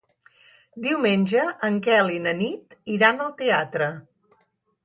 Diumenge en Quel i na Nit iran al teatre.